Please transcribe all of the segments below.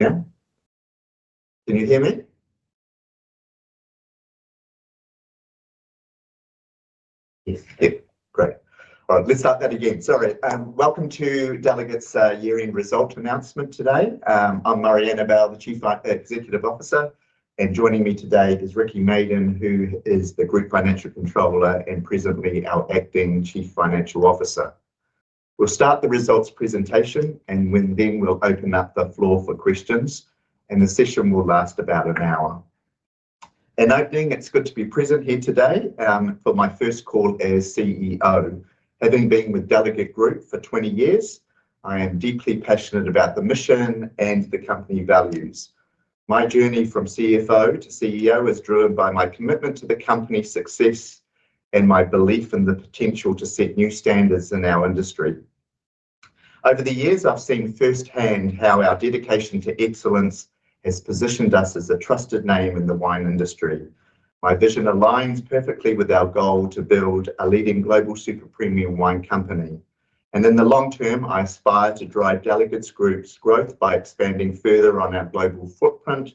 Can you hear me? You can. Great. All right, let's start that again. Sorry. Welcome to Delegat's year-end result announcement today. I'm Murray Annabell, the Chief Executive Officer, and joining me today is Riki Maden, who is the Group Financial Controller and presently our Acting Chief Financial Officer. We'll start the results presentation, then we'll open up the floor for questions, and the session will last about an hour. In opening, it's good to be present here today for my first call as CEO. Having been with Delegat for 20 years, I am deeply passionate about the mission and the company values. My journey from CFO to CEO is driven by my commitment to the company's success and my belief in the potential to set new standards in our industry. Over the years, I've seen firsthand how our dedication to excellence has positioned us as a trusted name in the wine industry. My vision aligns perfectly with our goal to build a leading global super-premium wine company. In the long term, I aspire to drive Delegat Group's growth by expanding further on our global footprint,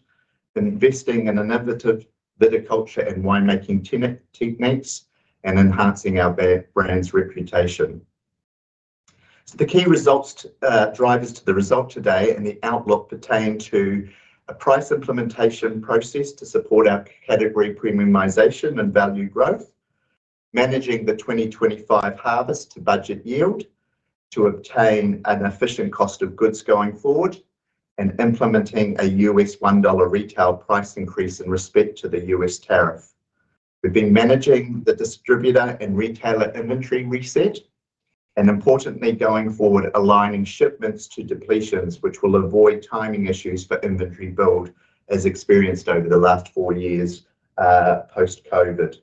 investing in innovative viticulture and winemaking teammates, and enhancing our brand's reputation. The key drivers to the result today and the outlook pertain to a price implementation process to support our category premiumization and value growth, managing the 2025 harvest to budget yield to obtain an efficient cost of goods going forward, and implementing a $1 retail price increase in respect to the U.S. tariff. We've been managing the distributor and retailer inventory reset, and importantly, going forward, aligning shipments to depletions, which will avoid timing issues for inventory build as experienced over the last four years post-COVID.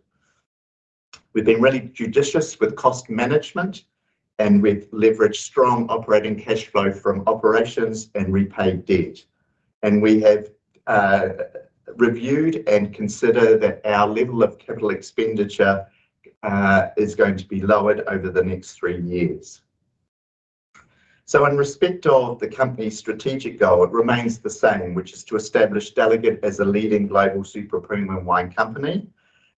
We've been really judicious with cost management, and we've leveraged strong operating cash flow from operations and repaid debt. We have reviewed and considered that our level of capital expenditure is going to be lowered over the next three years. In respect of the company's strategic goal, it remains the same, which is to establish Delegat as a leading global super-premium wine company.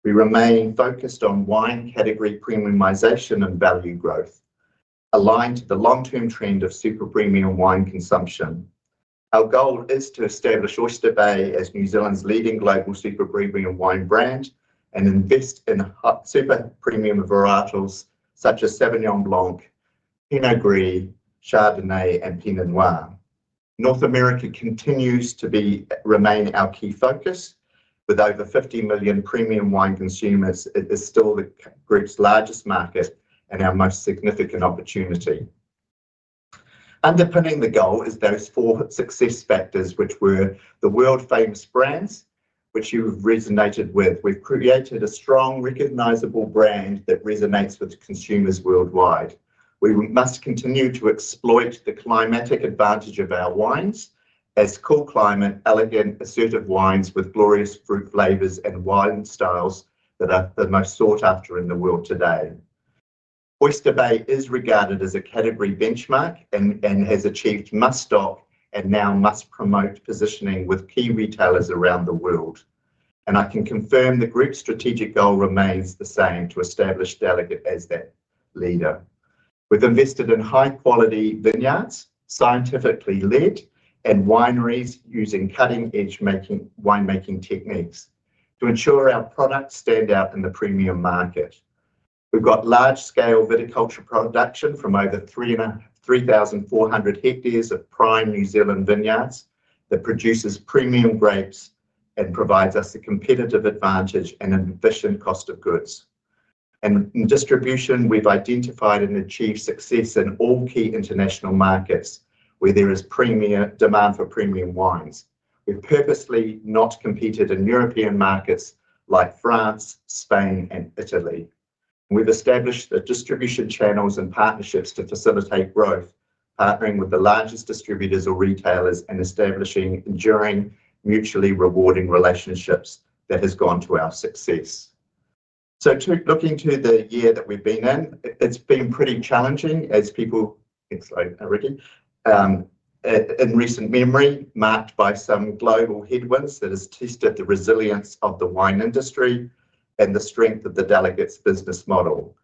We remain focused on wine category premiumization and value growth, aligned to the long-term trend of super-premium wine consumption. Our goal is to establish Oyster Bay as New Zealand's leading global super-premium wine brand and invest in super-premium varietals such as Sauvignon Blanc, Pinot Gris, Chardonnay, and Pinot Noir. North America continues to remain our key focus. With over 50 million premium wine consumers, it is still the group's largest market and our most significant opportunity. Underpinning the goal is those four success factors, which were the world-famous brands, which you have resonated with. We've created a strong, recognizable brand that resonates with consumers worldwide. We must continue to exploit the climatic advantage of our wines as cool climate, elegant, assertive wines with glorious fruit flavors and wine styles that are the most sought after in the world today. Oyster Bay is regarded as a category benchmark and has achieved must-stop and now must-promote positioning with key retailers around the world. I can confirm the group's strategic goal remains the same to establish Delegat as that leader. We've invested in high-quality vineyards, scientifically led, and wineries using cutting-edge winemaking techniques to ensure our products stand out in the premium market. We've got large-scale viticulture production from over 3,400 hectares of prime New Zealand vineyards that produces premium grapes and provides us a competitive advantage and an efficient cost of goods. In distribution, we've identified and achieved success in all key international markets where there is demand for premium wines. We've purposely not competed in European markets like France, Spain, and Italy. We've established the distribution channels and partnerships to facilitate growth, partnering with the largest distributors or retailers, and establishing enduring, mutually rewarding relationships that have gone to our success. Looking to the year that we've been in, it's been pretty challenging as people, sorry, Riki, in recent memory marked by some global headwinds that have tested the resilience of the wine industry and the strength of Delegat's business model.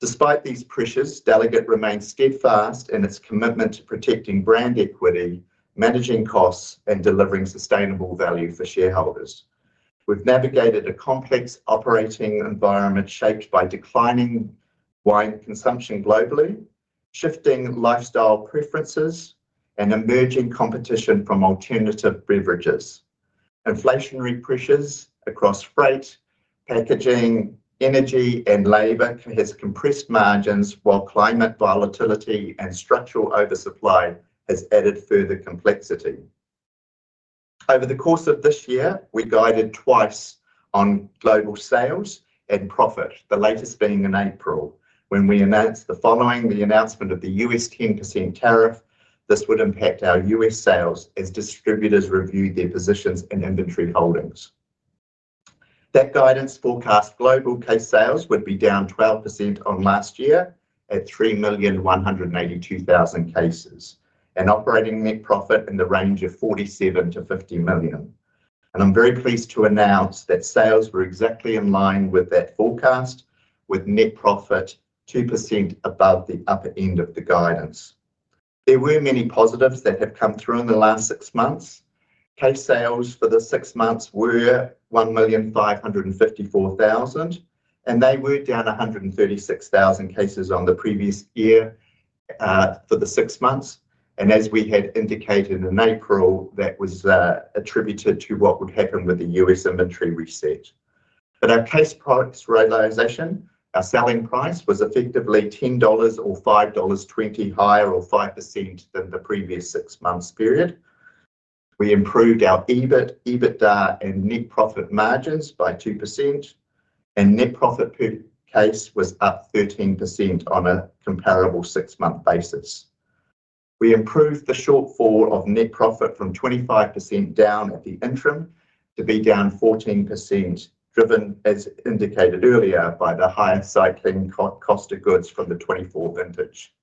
Despite these pressures, Delegat remains steadfast in its commitment to protecting brand equity, managing costs, and delivering sustainable value for shareholders. We've navigated a complex operating environment shaped by declining wine consumption globally, shifting lifestyle preferences, and emerging competition from alternative beverages. Inflationary pressures across freight, packaging, energy, and labor have compressed margins, while climate volatility and structural oversupply have added further complexity. Over the course of this year, we guided twice on global sales and profit, the latest being in April when we announced the following, the announcement of the U.S. 10% tariff. This would impact our U.S. sales as distributors review their positions and inventory holdings. That guidance forecast global case sales would be down 12% on last year at 3,182,000 cases and operating net profit in the range of $47 million-$50 million. I'm very pleased to announce that sales were exactly in line with that forecast, with net profit 2% above the upper end of the guidance. There were many positives that have come through in the last six months. Case sales for the six months were 1,554,000, and they were down 136,000 cases on the previous year for the six months. As we had indicated in April, that was attributed to what would happen with the U.S. inventory reset. Our case products realization, our selling price, was effectively $10 or $5.20 higher, or 5% in the previous six months' period. We improved our EBIT, EBITDA, and net profit margins by 2%, and net profit per [case] was up 13% on a comparable six-month basis. We improved the shortfall of net profit from 25% down at the interim to be down 14%, driven, as indicated earlier, by the higher cycling cost of goods from the 2024 vintage.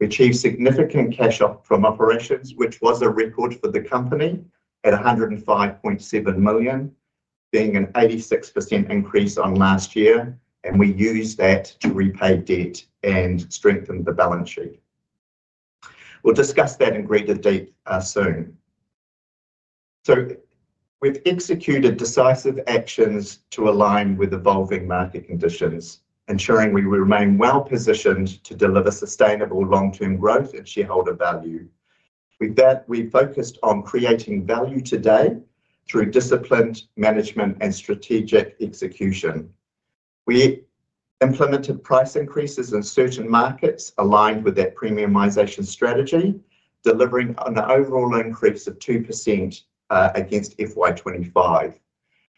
We achieved significant cash from operations, which was a record for the company at $105.7 million, being an 86% increase on last year, and we used that to repay debt and strengthen the balance sheet. We'll discuss that in greater depth soon. We've executed decisive actions to align with evolving market conditions, ensuring we remain well positioned to deliver sustainable long-term growth and shareholder value. With that, we focused on creating value today through disciplined management and strategic execution. We implemented price increases in certain markets aligned with that premiumization strategy, delivering an overall increase of 2% against FY 2025.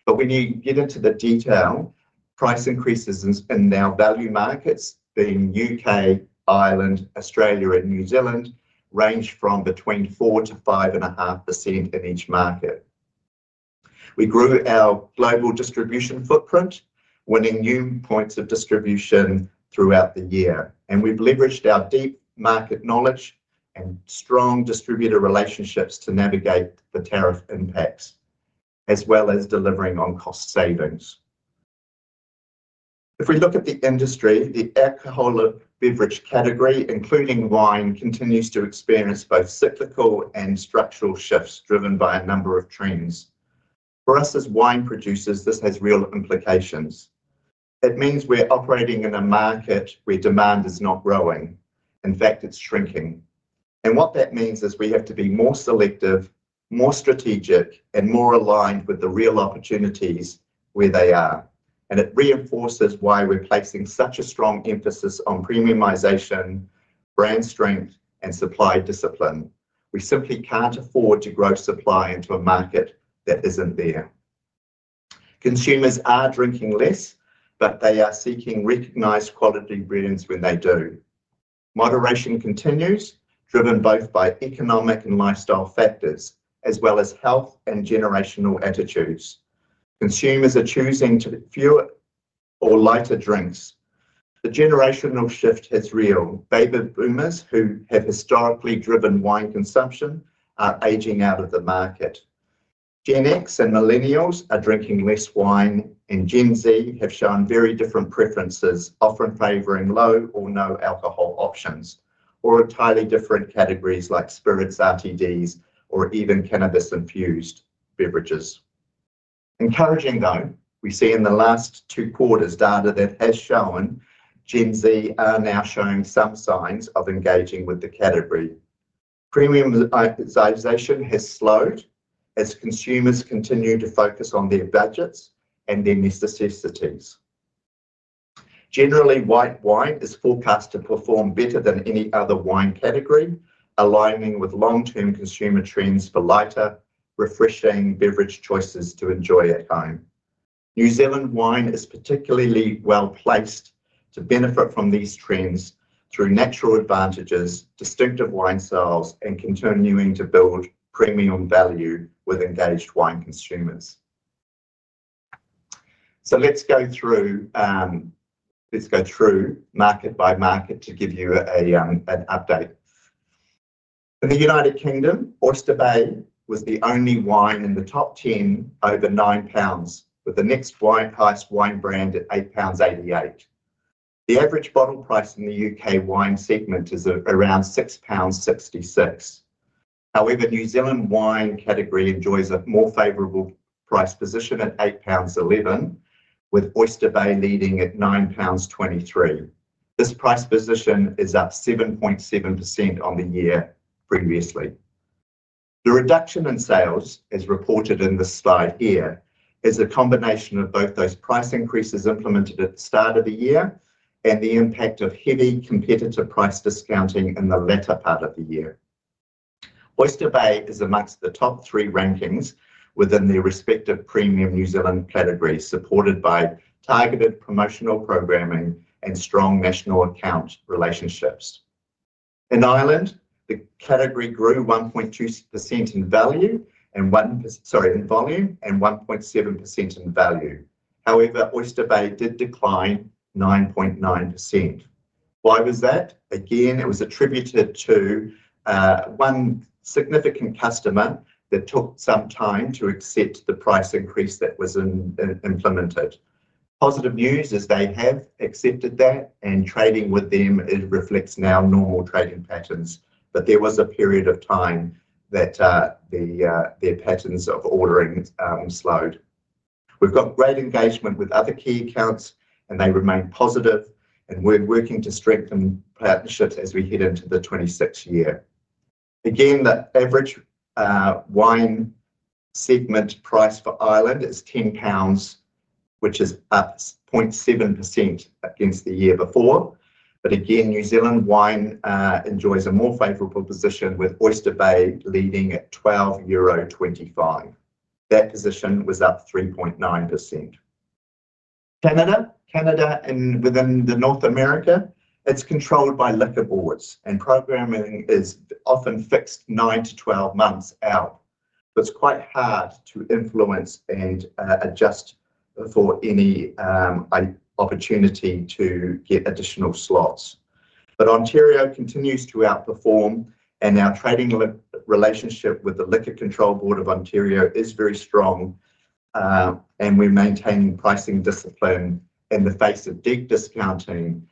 When you get into the detail, price increases in our value markets, being U.K., Ireland, Australia, and New Zealand, range from between 4%-5.5% in each market. We grew our global distribution footprint, winning new points of distribution throughout the year. We've leveraged our deep market knowledge and strong distributor relationships to navigate the tariff impacts, as well as delivering on cost savings. If we look at the industry, the alcohol beverage category, including wine, continues to experience both cyclical and structural shifts driven by a number of trends. For us as wine producers, this has real implications. It means we're operating in a market where demand is not growing. In fact, it's shrinking. What that means is we have to be more selective, more strategic, and more aligned with the real opportunities where they are. It reinforces why we're placing such a strong emphasis on premiumization, brand strength, and supply discipline. We simply can't afford to grow supply into a market that isn't there. Consumers are drinking less, but they are seeking recognized quality brands when they do. Moderation continues, driven both by economic and lifestyle factors, as well as health and generational attitudes. Consumers are choosing fewer or lighter drinks. The generational shift is real. Baby boomers, who have historically driven wine consumption, are aging out of the market. Gen X and Millennials are drinking less wine, and Gen Z have shown very different preferences, often favoring low or no alcohol options or entirely different categories like spirits, RTDs, or even cannabis-infused beverages. Encouraging, though, we see in the last two quarters data that has shown Gen Z are now showing some signs of engaging with the category. Premiumization has slowed as consumers continue to focus on their budgets and their necessities. Generally, white wine is forecast to perform better than any other wine category, aligning with long-term consumer trends for lighter, refreshing beverage choices to enjoy at home. New Zealand wine is particularly well placed to benefit from these trends through natural advantages, distinctive wine styles, and continuing to build premium value with engaged wine consumers. Let's go through market by market to give you an update. In the United Kingdom, Oyster Bay was the only wine in the top 10 over 9 pounds, with the next highest wine brand at 8.88 pounds. The average bottle price in the U.K. wine segment is around 6.66 pounds. However, the New Zealand wine category enjoys a more favorable price position at 8.11 pounds, with Oyster Bay leading at 9.23 pounds. This price position is up 7.7% on the year previously. The reduction in sales, as reported in this slide here, is a combination of both those price increases implemented at the start of the year and the impact of heavy competitor price discounting in the latter part of the year. Oyster Bay is amongst the top three rankings within their respective premium New Zealand category, supported by targeted promotional programming and strong national account relationships. In Ireland, the category grew 1% in volume and 1.7% in value. However, Oyster Bay did decline 9.9%. Why was that? It was attributed to one significant customer that took some time to accept the price increase that was implemented. Positive news is they have accepted that, and trading with them reflects now normal trading patterns. There was a period of time that their patterns of ordering slowed. We've got great engagement with other key accounts, and they remain positive, and we're working to strengthen partnerships as we head into the 2026 year. The average wine segment price for Ireland is 10 pounds, which is up 0.7% against the year before. New Zealand wine enjoys a more favorable position, with Oyster Bay leading at 12.25 euro. That position was up 3.9%. Canada, and within North America, it's controlled by liquor boards, and programming is often fixed nine to 12 months out. It's quite hard to influence and adjust for any opportunity to get additional slots. Ontario continues to outperform, and our trading relationship with the Liquor Control Board of Ontario is very strong, and we maintain pricing discipline in the face of discounting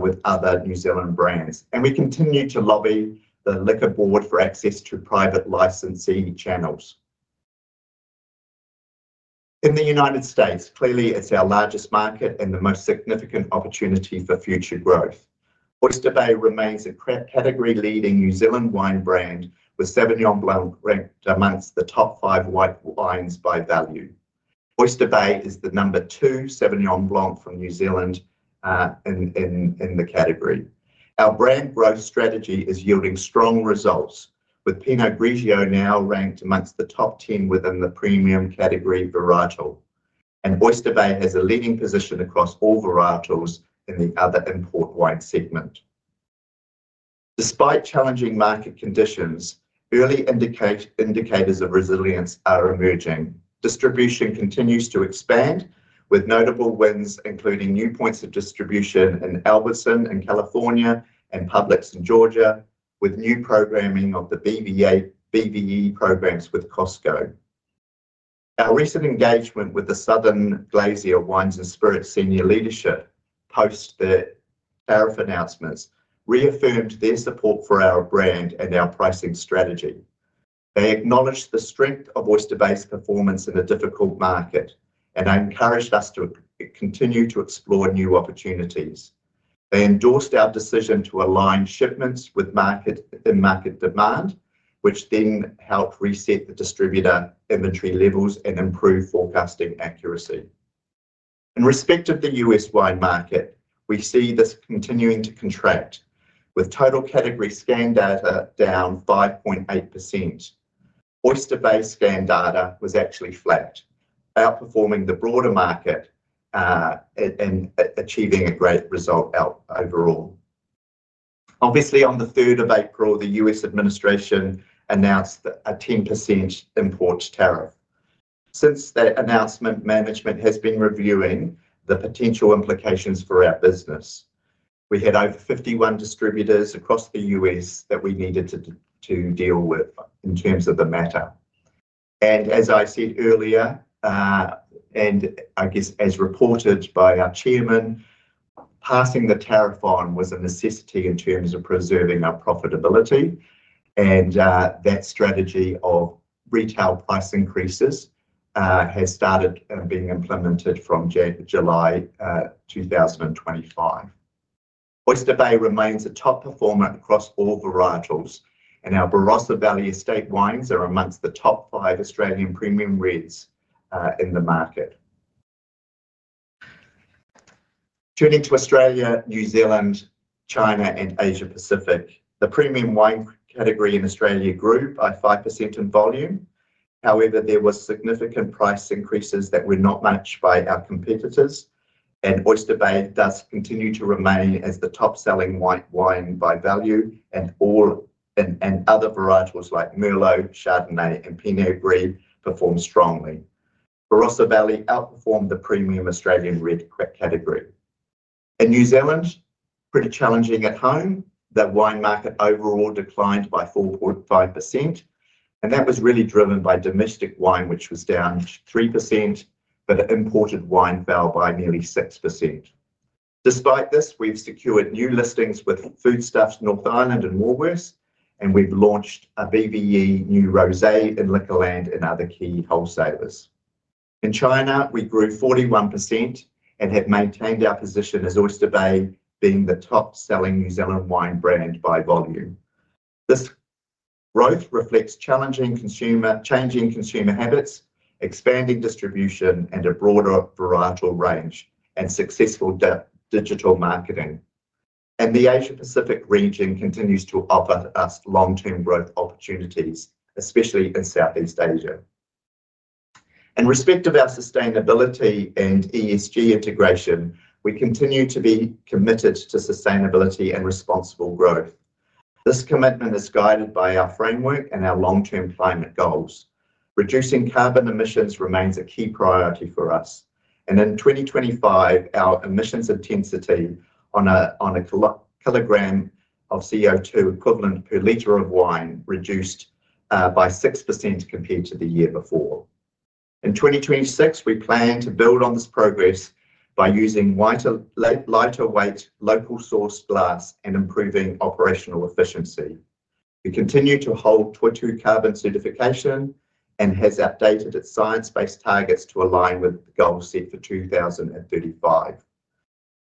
with other New Zealand brands. We continue to lobby the liquor board for access to private licensing channels. In the United States, clearly, it's our largest market and the most significant opportunity for future growth. Oyster Bay remains a category-leading New Zealand wine brand with Sauvignon Blanc ranked amongst the top five white wines by value. Oyster Bay is the number two Sauvignon Blanc from New Zealand in the category. Our brand growth strategy is yielding strong results, with Pinot Grigio now ranked amongst the top 10 within the premium category varietal. Oyster Bay has a leading position across all varietals in the other import wine segment. Despite challenging market conditions, early indicators of resilience are emerging. Distribution continues to expand with notable wins, including new points of distribution in Albertson in California and Publix in Georgia, with new programming of the BVE programs with Costco. Our recent engagement with the Southern Blasio Wines and Spirits Senior Leadership post the tariff announcements reaffirmed their support for our brand and our pricing strategy. They acknowledged the strength of Oyster Bay's performance in a difficult market and encouraged us to continue to explore new opportunities. They endorsed our decision to align shipments with market in-market demand, which helped reset the distributor inventory levels and improve forecasting accuracy. In respect of the U.S. wine market, we see this continuing to contract, with total category scan data down 5.8%. Oyster Bay scan data was actually flat, outperforming the broader market and achieving a great result overall. Obviously, on the 3rd of April, the U.S. administration announced a 10% import tariff. Since that announcement, management has been reviewing the potential implications for our business. We had over 51 distributors across the U.S. that we needed to deal with in terms of the matter. As I said earlier, and as reported by our Chairman, passing the tariff on was a necessity in terms of preserving our profitability. That strategy of retail price increases has started being implemented from [8th of] July 2025. Oyster Bay remains a top performer across all varietals, and our Barossa Valley Estate wines are amongst the top five Australian premium reds in the market. Turning to Australia, New Zealand, China, and Asia Pacific, the premium wine category in Australia grew by 5% in volume. However, there were significant price increases that were not matched by our competitors, and Oyster Bay does continue to remain as the top selling white wine by value, and other varietals like Merlot, Chardonnay, and Pinot Gris perform strongly. Barossa Valley outperformed the premium Australian red category. In New Zealand, pretty challenging at home, the wine market overall declined by 4.5%, and that was really driven by domestic wine, which was down 3%, but imported wine fell by nearly 6%. Despite this, we've secured new listings with Foodstuffs North Island and Moreworth, and we've launched a BVE new Rosé in Liquorland and other key wholesalers. In China, we grew 41% and have maintained our position as Oyster Bay being the top selling New Zealand wine brand by volume. This growth reflects challenging consumer habits, expanding distribution, a broader varietal range, and successful digital marketing. The Asia Pacific region continues to offer us long-term growth opportunities, especially in Southeast Asia. In respect of our sustainability and ESG integration, we continue to be committed to sustainability and responsible growth. This commitment is guided by our framework and our long-term climate goals. Reducing carbon emissions remains a key priority for us. In 2025, our emissions intensity on a kilogram of CO2 equivalent per liter of wine reduced by 6% compared to the year before. In 2026, we plan to build on this progress by using lighter weight, local-sourced glass and improving operational efficiency. We continue to hold Toitū carbon certification and have updated its science-based targets to align with goals set for 2035.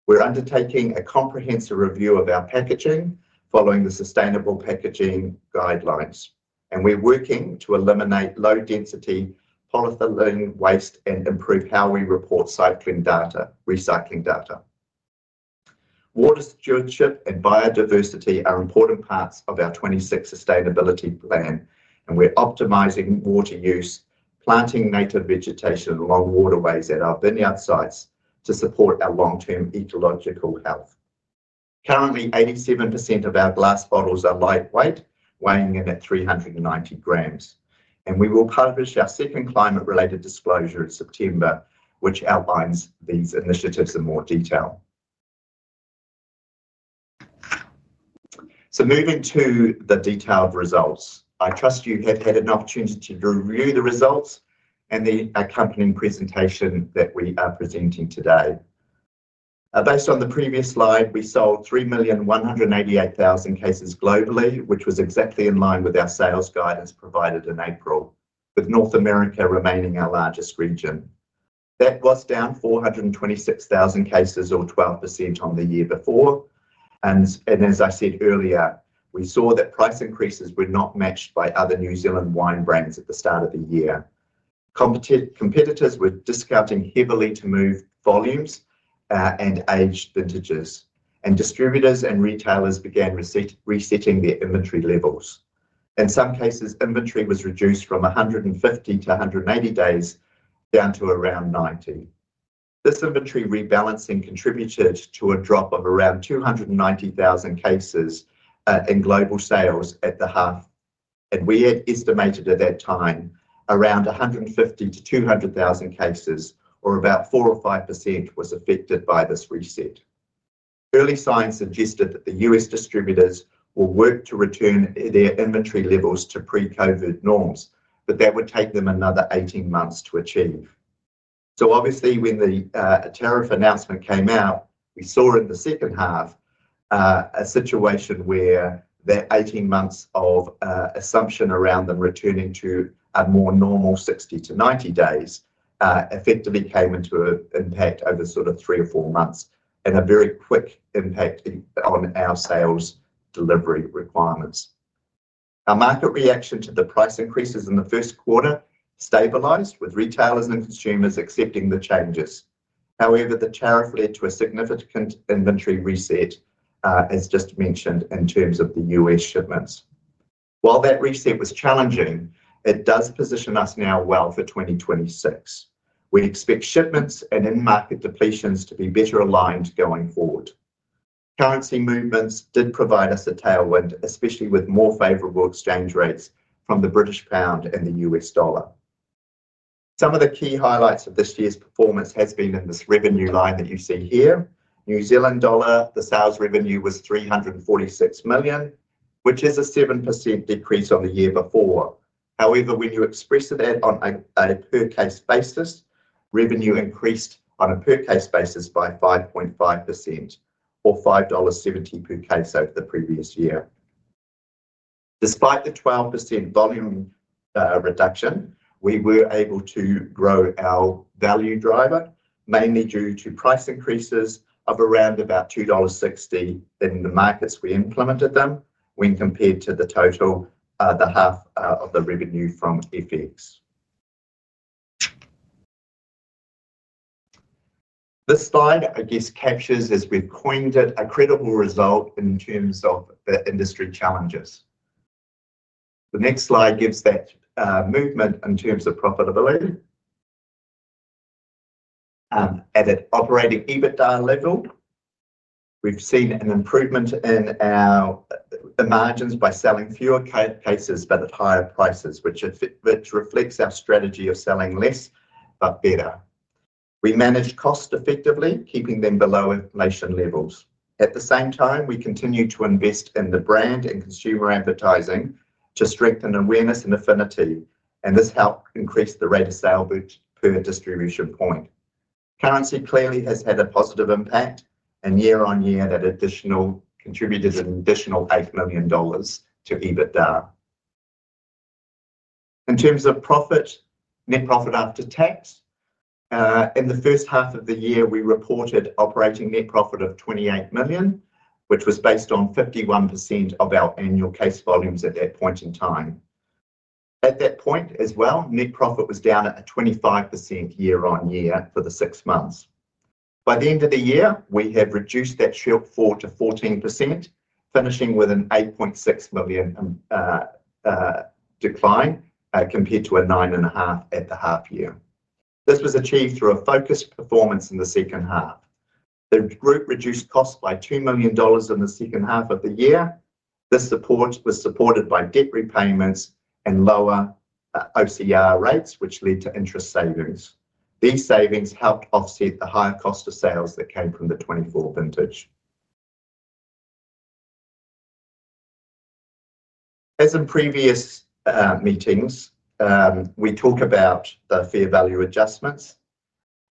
We are undertaking a comprehensive review of our packaging following the sustainable packaging guidelines, and we are working to eliminate low-density polyethylene waste and improve how we report recycling data. Water stewardship and biodiversity are important parts of our 2026 sustainability plan, and we are optimizing water use, planting native vegetation along waterways at our vineyard sites to support our long-term ecological health. Currently, 87% of our glass bottles are lightweight, weighing in at 390 g. We will publish our second climate-related disclosure in September, which outlines these initiatives in more detail. Moving to the detailed results, I trust you have had an opportunity to review the results and the accompanying presentation that we are presenting today. Based on the previous slide, we sold 3,188,000 cases globally, which was exactly in line with our status guidance provided in April, with North America remaining our largest region. That was down 426,000 cases or 12% on the year before. As I said earlier, we saw that price increases were not matched by other New Zealand wine brands at the start of the year. Competitors were discounting heavily to move volumes and age vintages, and distributors and retailers began resetting their inventory levels. In some cases, inventory was reduced from 150-180 days down to around 90. This inventory rebalancing contributed to a drop of around 290,000 cases in global sales at the half, and we had estimated at that time around 150,000-200,000 cases, or about 4% or 5% was affected by this reset. Early signs suggested that the U.S. distributors will work to return their inventory levels to pre-COVID norms, but that would take them another 18 months to achieve. Obviously, when the tariff announcement came out, we saw in the second half a situation where that 18 months of assumption around them returning to a more normal 60-90 days effectively came into an impact over sort of three or four months and a very quick impact on our sales delivery requirements. Our market reaction to the price increases in the first quarter stabilized, with retailers and consumers accepting the changes. However, the tariff led to a significant inventory reset, as just mentioned, in terms of the U.S. shipments. While that reset was challenging, it does position us now well for 2026. We expect shipments and in-market depletions to be better aligned going forward. Currency movements didn't provide us a tailwind, especially with more favorable exchange rates from the British pound and the U.S. dollar. Some of the key highlights of this year's performance have been in this revenue line that you see here. New Zealand dollar, the sales revenue was $346 million, which is a 7% decrease on the year before. However, when you express that on a per case basis, revenue increased on a per case basis by 5.5% or $5.70 per case over the previous year. Despite the 12% volume reduction, we were able to grow our value driver, mainly due to price increases of around about $2.60 in the markets we implemented them when compared to the total, the half of the revenue from FX. This slide, I guess, captures, as we coined it, a credible result in terms of the industry challenges. The next slide gives that movement in terms of profitability. At an operating EBITDA level, we've seen an improvement in our margins by selling fewer cases but at higher prices, which reflects our strategy of selling less but better. We manage costs effectively, keeping them below inflation levels. At the same time, we continue to invest in the brand and consumer advertising to strengthen awareness and affinity, and this helps increase the rate of sale per distribution point. Currency clearly has had a positive impact, and year-on-year, that contributed an additional $8 million to EBITDA. In terms of profit, net profit after tax, in the first half of the year, we reported operating net profit of $28 million, which was based on 51% of our annual case volumes at that point in time. At that point as well, net profit was down at a 25% year-on-year for the six months. By the end of the year, we have reduced that shortfall to 14%, finishing with an $8.6 million decline compared to a $9.5 million at the half year. This was achieved through a focused performance in the second half. The group reduced costs by $2 million in the second half of the year. This was supported by debt repayments and lower OCR rates, which led to interest savings. These savings helped offset the higher cost of sales that came from the 2024 vintage. As in previous meetings, we talk about the fair value adjustments.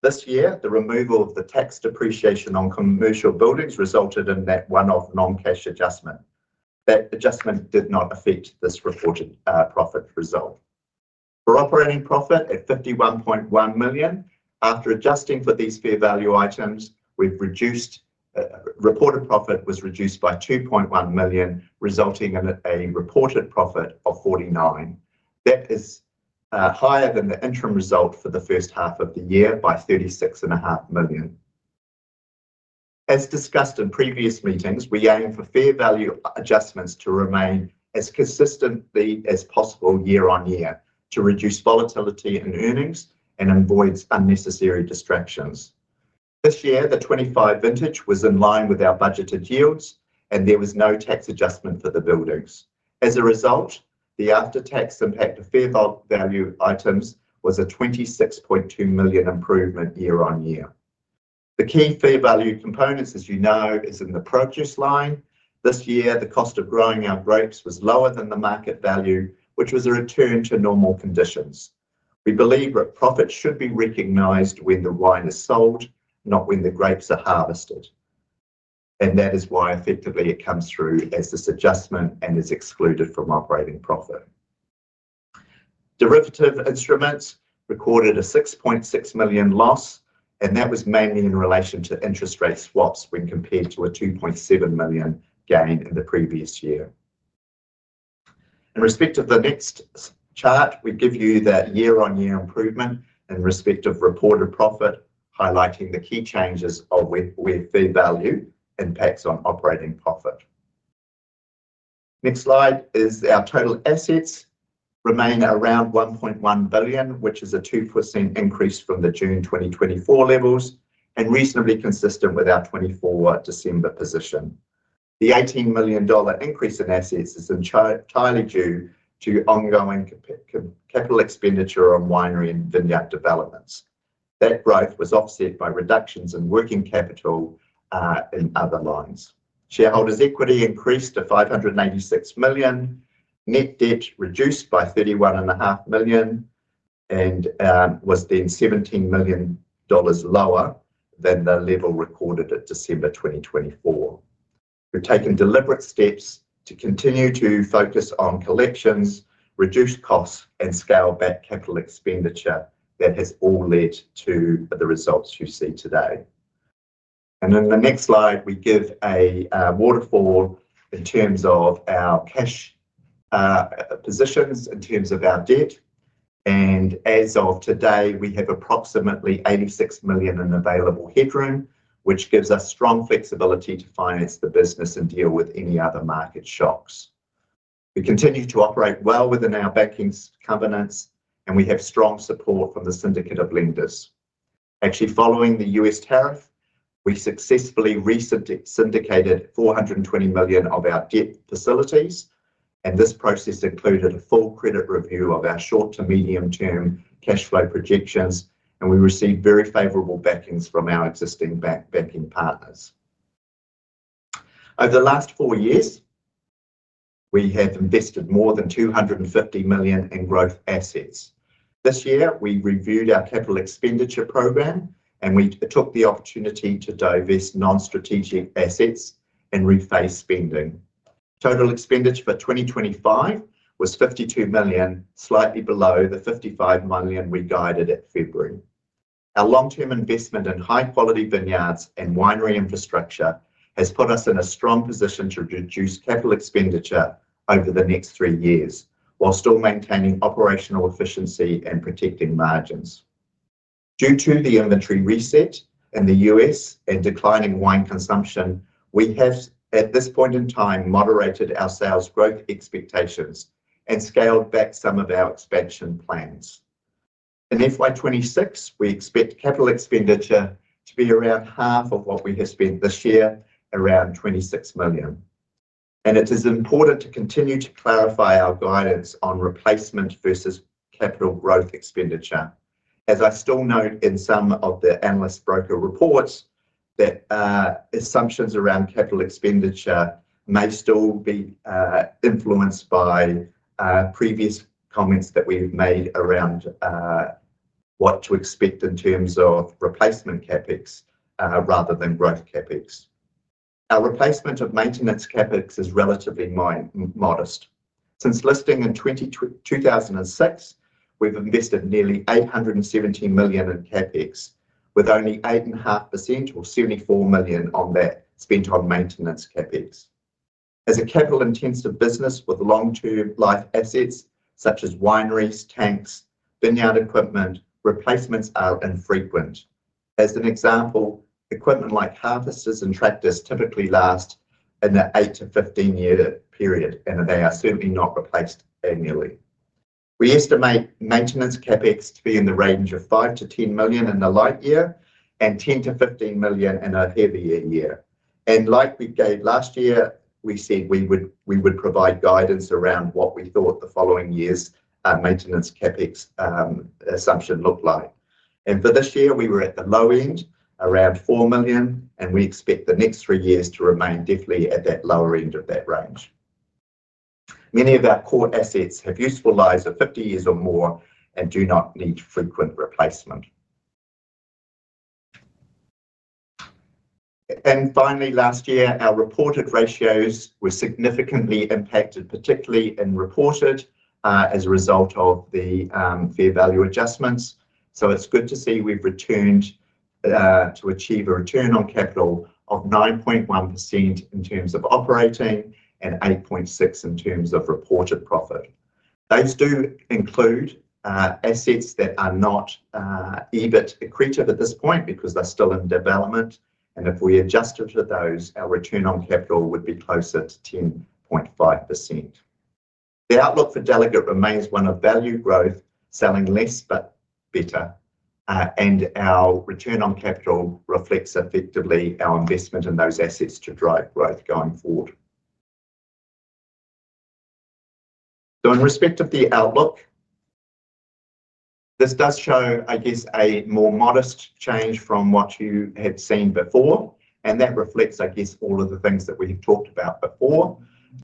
This year, the removal of the tax depreciation on commercial buildings resulted in that one-off non-cash adjustment. That adjustment did not affect this reported profit result. For operating profit at $51.1 million, after adjusting for these fair value items, reported profit was reduced by $2.1 million, resulting in a reported profit of $49 million. That is higher than the interim result for the first half of the year by $36.5 million. As discussed in previous meetings, we aim for fair value adjustments to remain as consistently as possible year-on-year to reduce volatility in earnings and avoid unnecessary distractions. This year, the 2025 vintage was in line with our budgeted yields, and there was no tax adjustment for the buildings. As a result, the after-tax impact of fair value items was a $26.2 million improvement year-on-year. The key fair value components, as you know, are in the produce line. This year, the cost of growing our grapes was lower than the market value, which was a return to normal conditions. We believe that profits should be recognized when the wine is sold, not when the grapes are harvested. That is why, effectively, it comes through as this adjustment and is excluded from operating profit. Derivative instruments recorded a $6.6 million loss, and that was mainly in relation to interest rate swaps when compared to a $2.7 million gain in the previous year. In respect of the next chart, we give you that year-on-year improvement in respect of reported profit, highlighting the key changes of where fair value impacts on operating profit. Next slide is our total assets. Remain around $1.1 billion, which is a 2% increase from the June 2024 levels and reasonably consistent with our 24 December position. The $18 million increase in assets is entirely due to ongoing capital expenditure on winery and vineyard developments. That growth was offset by reductions in working capital in other lines. Shareholders' equity increased to $586 million, net debt reduced by $31.5 million, and was then $17 million lower than the level recorded at December 2024. We have taken deliberate steps to continue to focus on collections, reduce costs, and scale back capital expenditure. That has all led to the results you see today. In the next slide, we give a waterfall in terms of our cash positions, in terms of our debt. As of today, we have approximately $86 million in available headroom, which gives us strong flexibility to finance the business and deal with any other market shocks. We continue to operate well within our banking covenants, and we have strong support from the syndicate of lenders. Actually, following the U.S. tariff, we successfully resyndicated $420 million of our debt facilities, and this process included a full credit review of our short to medium-term cash flow projections, and we received very favorable backings from our existing banking partners. Over the last four years, we have invested more than $250 million in growth assets. This year, we reviewed our capital expenditure program, and we took the opportunity to divest non-strategic assets and rephase spending. Total expenditure for 2025 was $52 million, slightly below the $55 million we guided at February. Our long-term investment in high-quality vineyards and winery infrastructure has put us in a strong position to reduce capital expenditure over the next three years while still maintaining operational efficiency and protecting margins. Due to the inventory reset in the U.S. and declining wine consumption, we have, at this point in time, moderated our sales growth expectations and scaled back some of our expansion plans. In FY 2026, we expect capital expenditure to be around half of what we have spent this year, around $26 million. It is important to continue to clarify our guidance on replacement versus capital growth expenditure. As I still note in some of the analyst broker reports, assumptions around capital expenditure may still be influenced by previous comments that we have made around what to expect in terms of replacement CapEx rather than growth CapEx. Our replacement or maintenance CapEx is relatively modest. Since listing in 2006, we have invested nearly $870 million in CapEx, with only 8.5% or $74 million of that spent on maintenance CapEx. As a capital-intensive business with long-term life assets such as wineries, tanks, vineyard equipment, replacements are infrequent. As an example, equipment like harvesters and tractors typically last in an eight to 15-year period, and they are certainly not replaced annually. We estimate maintenance CapEx to be in the range of $5 million-$10 million in the light year and $10 million-$15 million in a heavier year. Like we gave last year, we said we would provide guidance around what we thought the following year's maintenance CapEx assumption looked like. For this year, we were at the low end, around $4 million, and we expect the next three years to remain definitely at that lower end of that range. Many of our core assets have useful lives of 50 years or more and do not need frequent replacement. Last year, our reported ratios were significantly impacted, particularly in reported as a result of the fair value adjustments. It's good to see we've returned to achieve a return on capital of 9.1% in terms of operating and 8.6% in terms of reported profit. Those do include assets that are not EBIT accretive at this point because they're still in development. If we adjusted to those, our return on capital would be closer to 10.5%. The outlook for Delegat remains one of value growth, selling less but better, and our return on capital reflects effectively our investment in those assets to drive growth going forward. In respect of the outlook, this does show, I guess, a more modest change from what you had seen before, and that reflects, I guess, all of the things that we've talked about before.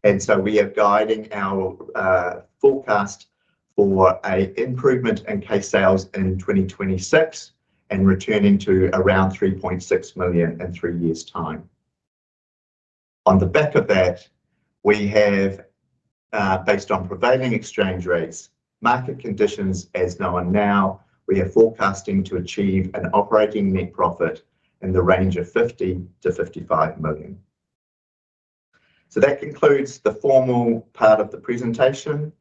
We are guiding our forecast for an improvement in case sales in 2026 and returning to around 3.6 million in three years' time. On the back of that, we have, based on prevailing exchange rates, market conditions as known now, we are forecasting to achieve an operating net profit in the range of $50 million-$55 million. That concludes the formal part of the presentation.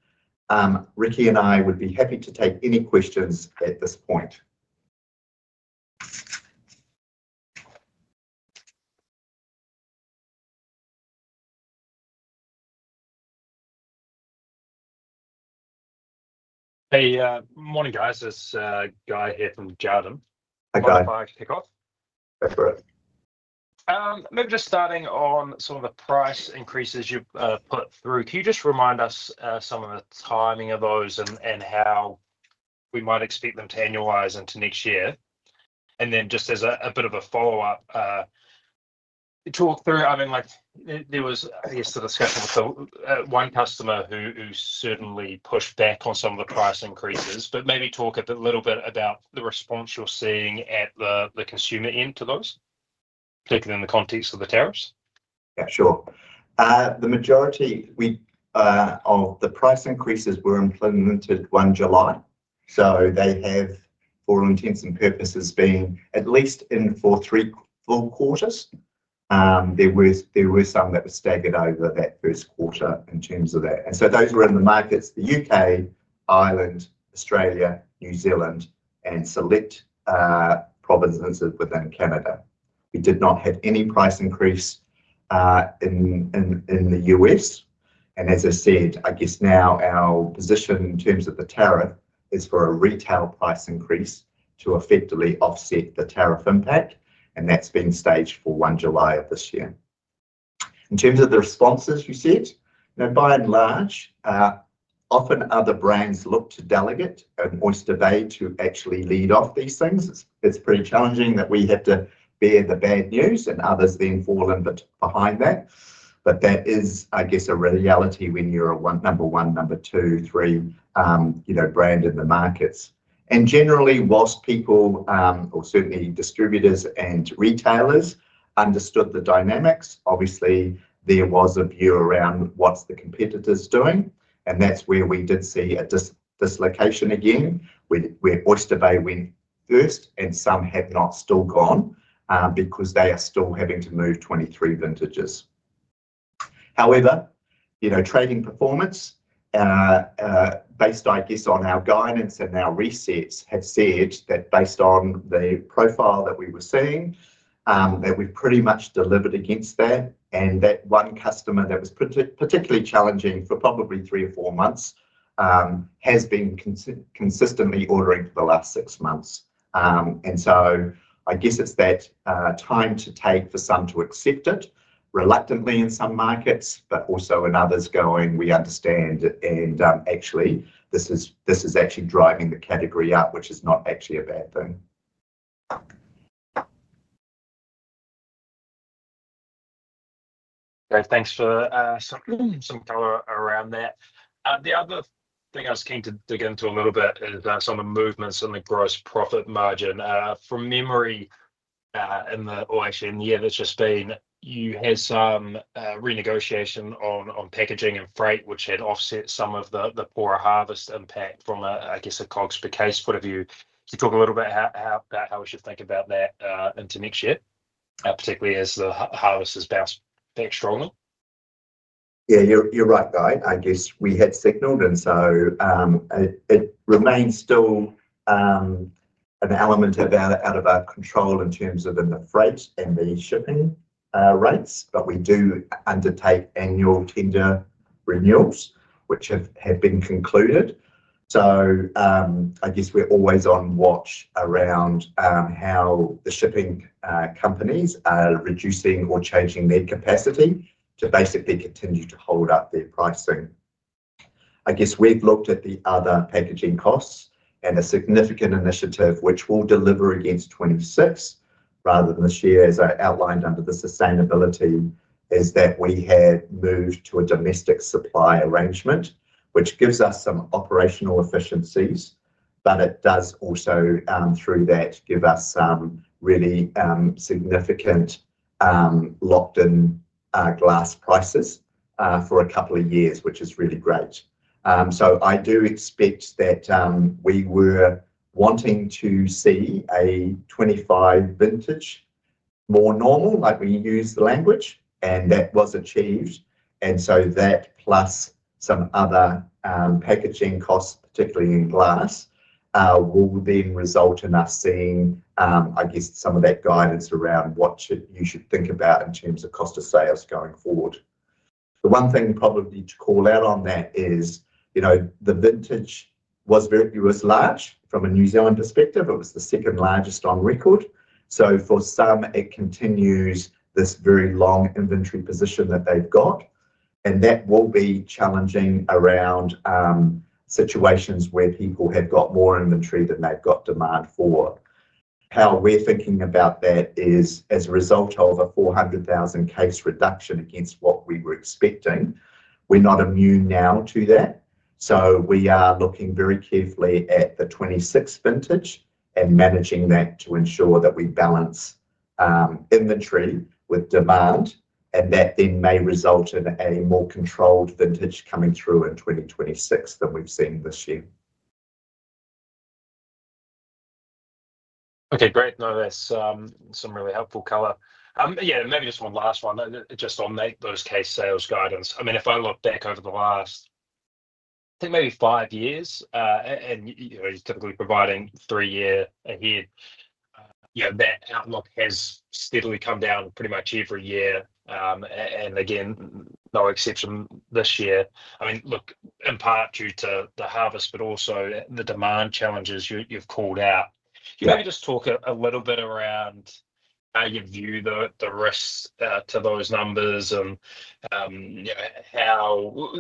Riki and I would be happy to take any questions at this point. Hey, morning guys. This is Guy here from the [Desjardins]. Hi Guy. I'm off to kick off. That's great. Maybe just starting on some of the price increases you put through, can you just remind us some of the timing of those and how we might expect them to annualize into next year? Just as a bit of a follow-up, talk through, I mean, like there was, I guess, the discussion with one customer who certainly pushed back on some of the price increases, but maybe talk a little bit about the response you're seeing at the consumer end to those, particularly in the context of the tariffs. Yeah, sure. The majority of the price increases were implemented 1 July, so they have, for all intents and purposes, been at least in for three long quarters. There were some that were staggered over that first quarter in terms of that. Those were in the markets the U.K., Ireland, Australia, New Zealand, and select provinces within Canada. We did not have any price increase in the U.S. As I said, I guess now our position in terms of the tariff is for a retail price increase to effectively offset the tariff impact, and that's been staged for 1 July of this year. In terms of the responses you said, by and large, often other brands look to Delegat and Oyster Bay to actually lead off these things. It's pretty challenging that we have to bear the bad news and others then fall in behind that. That is, I guess, a reality when you're a number one, number two, three, you know, brand in the markets. Generally, whilst people, or certainly distributors and retailers, understood the dynamics, obviously there was a view around what the competitors are doing, and that's where we did see a dislocation again, where Oyster Bay went first and some have not still gone because they are still having to move 2023 vintages. However, you know, trading performance, based, I guess, on our guidance and our resets have said that based on the profile that we were seeing, that we've pretty much delivered against that. That one customer that was particularly challenging for probably three or four months has been consistently ordering for the last six months. I guess it's that time to take for some to accept it reluctantly in some markets, but also in others going, we understand, and actually, this is actually driving the category up, which is not actually a bad thing. Thanks for some color around that. The other thing I was keen to dig into a little bit is some of the movements in the gross profit margin. From memory, in the last year and year that's just been, you had some renegotiation on packaging and freight, which had offset some of the poorer harvest impact from, I guess, a COGS per case sort of view. Could you talk a little bit about how we should think about that into next year, particularly as the harvest has bounced back stronger? Yeah, you're right, Guy. I guess we had signaled, and it remains still an element out of our control in terms of the freight and the shipping rates, but we do undertake annual tender renewals, which have been concluded. We're always on watch around how the shipping companies are reducing or changing their capacity to basically continue to hold up their pricing. We've looked at the other packaging costs, and a significant initiative which will deliver against 2026, rather than this year, as I outlined under the sustainability, is that we have moved to a domestic supply arrangement, which gives us some operational efficiencies. It does also, through that, give us some really significant locked-in glass prices for a couple of years, which is really great. I do expect that we were wanting to see a 2025 vintage more normal, like we use the language, and that was achieved. That plus some other packaging costs, particularly in glass, will then result in us seeing some of that guidance around what you should think about in terms of cost of sales going forward. The one thing probably to call out on that is, you know, the vintage was very, it was large from a New Zealand perspective. It was the second largest on record. For some, it continues this very long inventory position that they've got, and that will be challenging around situations where people have got more inventory than they've got demand for. How we're thinking about that is, as a result of a 400,000 case reduction against what we were expecting, we're not immune now to that. We are looking very carefully at the 2026 vintage and managing that to ensure that we balance inventory with demand, and that then may result in a more controlled vintage coming through in 2026 than we've seen this year. Okay, great. No, that's some really helpful color. Maybe just one last one, just on those case sales guidance. If I look back over the last, I think maybe five years, and you're typically providing three years ahead, that outlook has steadily come down pretty much every year, and again, no exception this year. I mean, in part due to the harvest, but also the demand challenges you've called out. Could you maybe just talk a little bit around how you view the risks to those numbers and how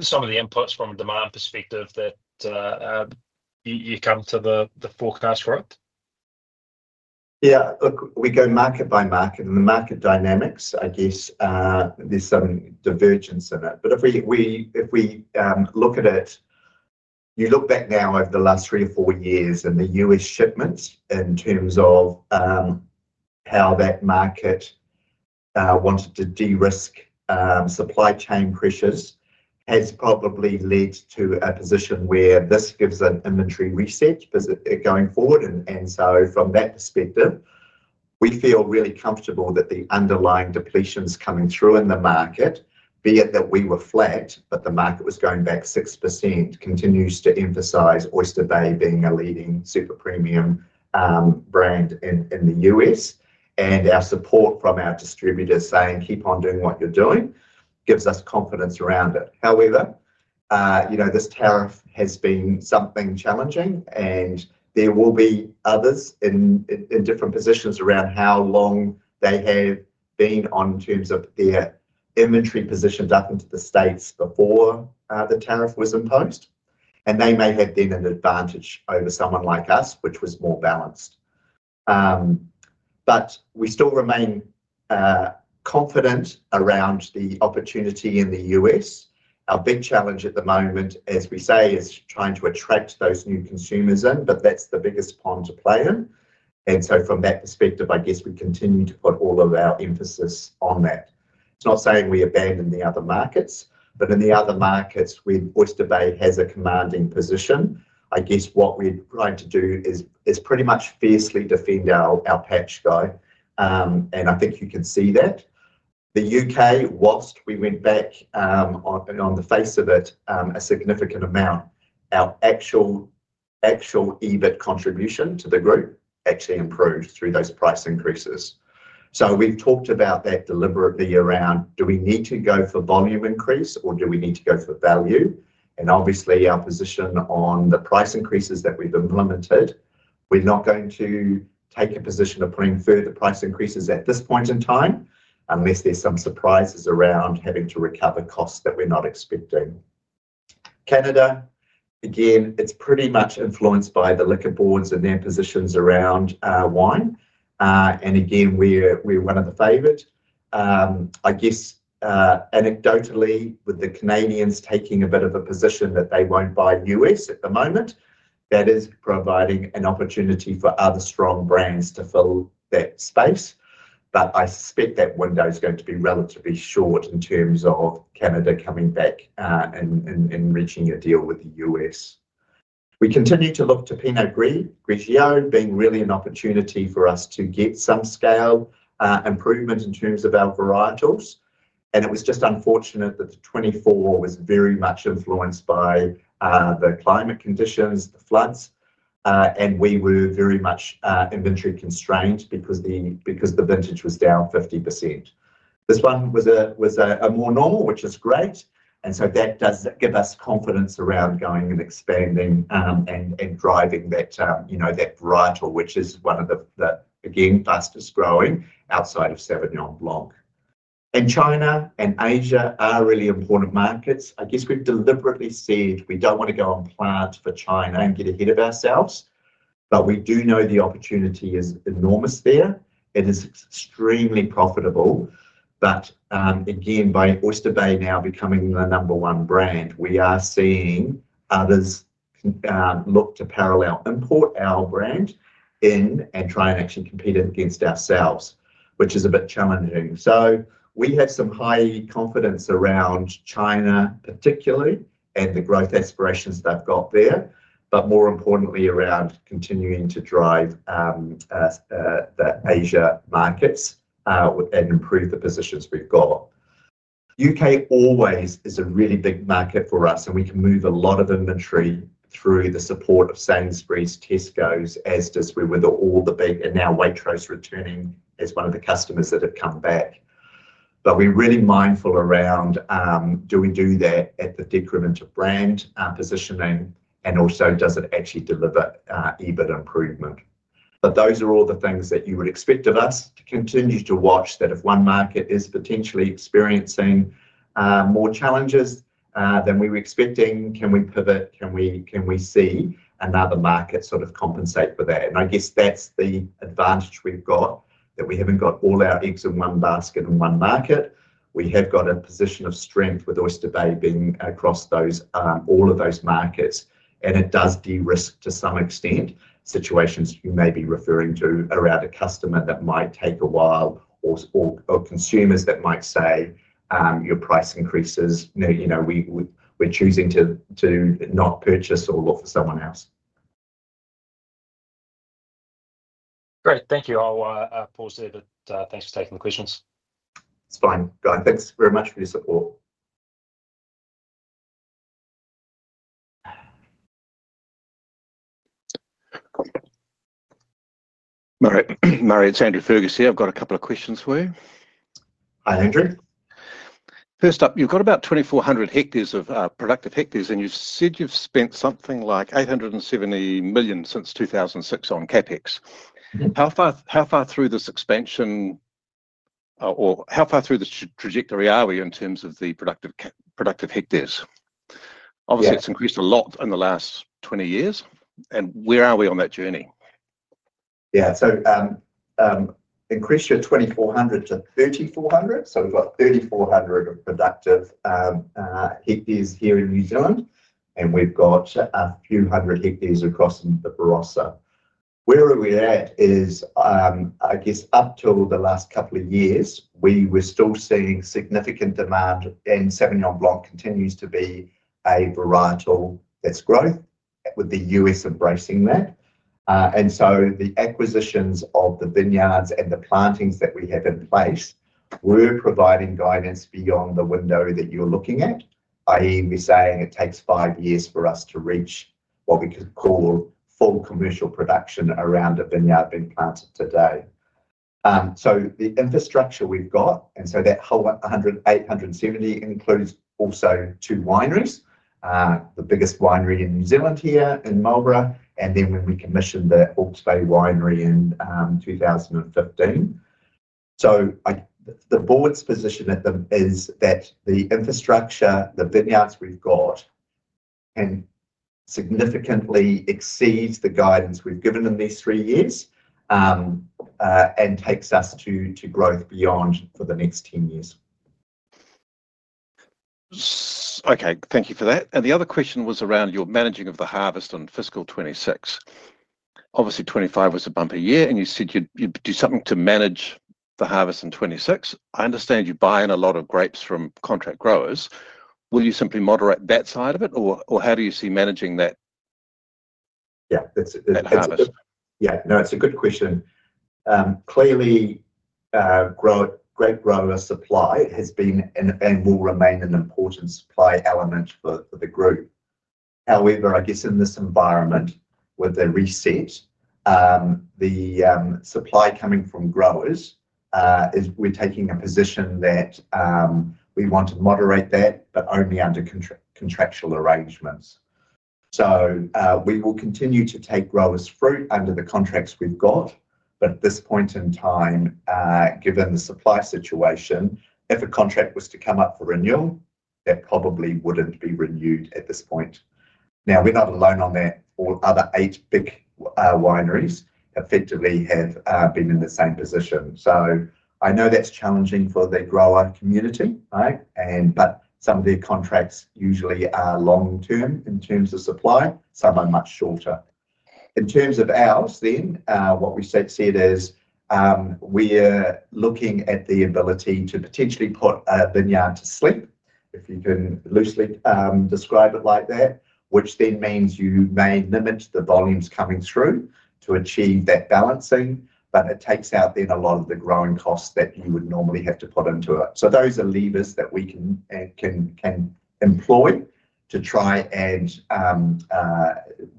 some of the inputs from a demand perspective that you come to the forecast, right? Yeah, look, we go market by market, and the market dynamics, I guess, there's some divergence in that. If we look at it, you look back now over the last three or four years in the U.S. shipments in terms of how that market wanted to de-risk supply chain pressures has probably led to a position where this gives an inventory reset going forward. From that perspective, we feel really comfortable that the underlying depletion is coming through in the market, be it that we were flat, but the market was going back 6%, continues to emphasize Oyster Bay being a leading super-premium brand in the U.S. Our support from our distributors saying, "Keep on doing what you're doing," gives us confidence around it. However, you know, this tariff has been something challenging, and there will be others in different positions around how long they have been on terms of their inventory positions up into the States before the tariff was imposed. They may have been an advantage over someone like us, which was more balanced. We still remain confident around the opportunity in the U.S. Our big challenge at the moment, as we say, is trying to attract those new consumers in, but that's the biggest one to play in. From that perspective, I guess we continue to put all of our emphasis on that. It's not saying we abandon the other markets, but in the other markets, Oyster Bay has a commanding position. I guess what we'd like to do is pretty much fiercely defend our patch go. I think you can see that. The U.K., whilst we went back, and on the face of it, a significant amount, our actual EBIT contribution to the group actually improved through those price increases. We've talked about that deliberately around, do we need to go for volume increase or do we need to go for value? Obviously, our position on the price increases that we've implemented, we're not going to take a position of putting further price increases at this point in time unless there's some surprises around having to recover costs that we're not expecting. Canada, again, it's pretty much influenced by the liquor boards and their positions around wine. Again, we're one of the favorites. I guess, anecdotally, with the Canadians taking a bit of a position that they won't buy U.S. at the moment, that is providing an opportunity for other strong brands to fill that space. I suspect that window is going to be relatively short in terms of Canada coming back and reaching a deal with the U.S. We continue to look to Pinot Grigio, being really an opportunity for us to get some scale improvement in terms of our varietals. It was just unfortunate that the 2024 was very much influenced by the climate conditions, the floods, and we were very much inventory constrained because the vintage was down 50%. This one was a more normal, which is great. That does give us confidence around going and expanding and driving that varietal, which is one of the, again, fastest growing outside of Sauvignon Blanc. China and Asia are really important markets. I guess we've deliberately said we don't want to go and plant for China and get ahead of ourselves, but we do know the opportunity is enormous there. It is extremely profitable. By Oyster Bay now becoming the number one brand, we are seeing others look to parallel import our brand in and try and actually compete against ourselves, which is a bit challenging. We have some high confidence around China, particularly, and the growth aspirations they've got there, but more importantly around continuing to drive the Asia markets and improve the positions we've got. U.K. always is a really big market for us, and we can move a lot of inventory through the support of Sainsbury's, Tesco, as we do with all the big and now Waitrose returning as one of the customers that have come back. We're really mindful around, do we do that at the decrement of brand positioning, and also does it actually deliver EBIT improvement? Those are all the things that you would expect of us to continue to watch that if one market is potentially experiencing more challenges than we were expecting, can we pivot? Can we see another market sort of compensate for that? I guess that's the advantage we've got, that we haven't got all our eggs in one basket in one market. We have got a position of strength with Oyster Bay being across all of those markets, and it does de-risk to some extent situations you may be referring to around a customer that might take a while or consumers that might say, "Your price increases." You know, we're choosing to not purchase or look for someone else. Great. Thank you. I'll pause there, but thanks for taking the questions. It's fine. Guy, thanks very much for your support. All right. Murray, it's Andrew Fergus here. I've got a couple of questions for you. Hi, Andrew. First up, you've got about 2,400 hectares of productive hectares, and you've said you've spent something like $870 million since 2006 on CapEx. How far through this expansion or how far through this trajectory are we in terms of the productive hectares? Obviously, it's increased a lot in the last 20 years. Where are we on that journey? Yeah, so increased your 2,400 to 3,400. We've got 3,400 productive hectares here in New Zealand, and we've got a few hundred hectares across in the Barossa. Where we are at is, up till the last couple of years, we were still seeing significant demand, and Sauvignon Blanc continues to be a varietal that's growth, with the U.S. embracing that. The acquisitions of the vineyards and the plantings that we have in place were providing guidance beyond the window that you're looking at. I mean, we're saying it takes five years for us to reach what we could call full commercial production around a vineyard being planted today. The infrastructure we've got, and that whole 870 includes also two wineries, the biggest winery in New Zealand here in Marlborough, and then when we commissioned the Hawke's Bay Winery in 2015. The board's position at them is that the infrastructure, the vineyards we've got, significantly exceeds the guidance we've given in these three years and takes us to growth beyond for the next 10 years. Okay, thank you for that. The other question was around your managing of the harvest on fiscal 2026. Obviously, 2025 was a bumpy year, and you said you'd do something to manage the harvest in 2026. I understand you buy in a lot of grapes from contract growers. Will you simply moderate that side of it, or how do you see managing that? Yeah, that's a good question. Clearly, grape grower supply has been and will remain an important supply element for the group. However, I guess in this environment, with the reset, the supply coming from growers is we're taking a position that we want to moderate that, but only under contractual arrangements. We will continue to take growers' fruit under the contracts we've got, but at this point in time, given the supply situation, if a contract was to come up for renewal, that probably wouldn't be renewed at this point. We're not alone on that. All other eight big wineries effectively have been in the same position. I know that's challenging for the grower community, right? Some of their contracts usually are long-term in terms of supply. Some are much shorter. In terms of ours then, what we've said is we're looking at the ability to potentially put a vineyard to sleep, if you can loosely describe it like that, which then means you may limit the volumes coming through to achieve that balancing, but it takes out then a lot of the growing costs that you would normally have to put into it. Those are levers that we can employ to try and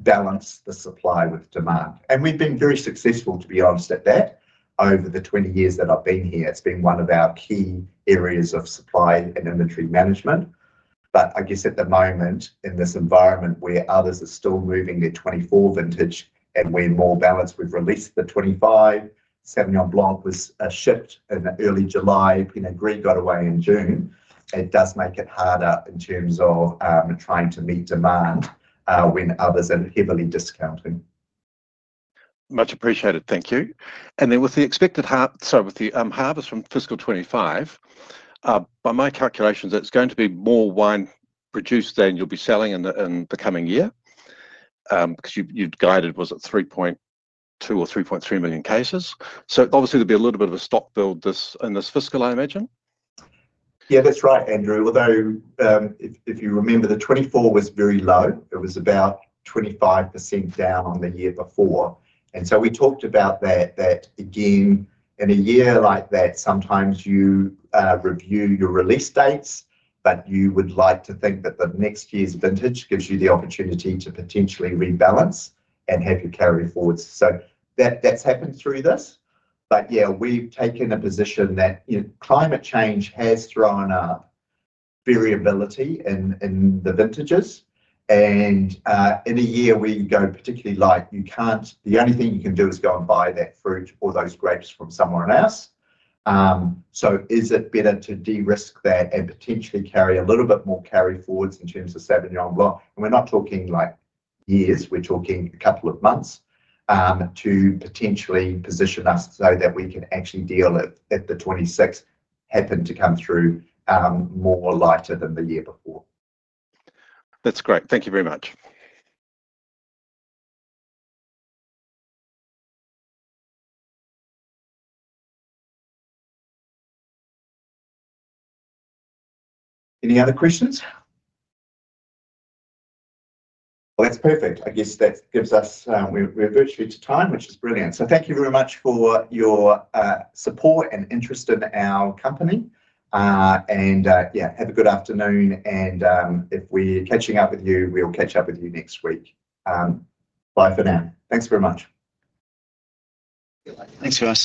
balance the supply with demand. We've been very successful, to be honest, at that. Over the 20 years that I've been here, it's been one of our key areas of supply and inventory management. I guess at the moment, in this environment where others are still moving their 2024 vintage and we're more balanced, we've released the 2025, Sauvignon Blanc was a shift in early July. Pinot Grigio got away in June. It does make it harder in terms of trying to meet demand when others are heavily discounting. Much appreciated. Thank you. With the expected harvest from fiscal 2025, by my calculations, it's going to be more wine produced than you'll be selling in the coming year, because you've guided, was it 3.2 million or 3.3 million cases? Obviously, there'll be a little bit of a stock build in this fiscal, I imagine. Yeah, that's right, Andrew. Although, if you remember, the 2024 was very low. It was about 25% down on the year before. We talked about that, that again, in a year like that, sometimes you review your release dates, but you would like to think that the next year's vintage gives you the opportunity to potentially rebalance and have your carry forward. That's happened through this. We've taken a position that climate change has thrown a variability in the vintages. In a year where you go particularly light, the only thing you can do is go and buy that fruit or those grapes from somewhere else. Is it better to de-risk that and potentially carry a little bit more carry forwards in terms of Sauvignon Blanc? We're not talking like years, we're talking a couple of months to potentially position us so that we can actually deal if the 2026 happened to come through more lighter than the year before. That's great. Thank you very much. Any other questions? That's perfect. I guess that gives us, we're virtually to time, which is brilliant. Thank you very much for your support and interest in our company. Have a good afternoon. If we're catching up with you, we'll catch up with you next week. Bye for now. Thanks very much. Thanks, Ross.